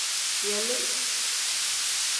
Yelii.